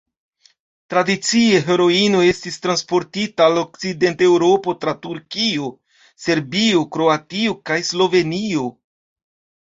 Tradicie, heroino estis transportita al Okcidenta Eŭropo tra Turkio, Serbio, Kroatio kaj Slovenio.